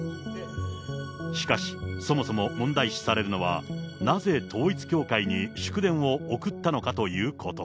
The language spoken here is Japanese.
しかし、そもそも問題視されるのは、なぜ、統一教会に祝電を送ったのかということ。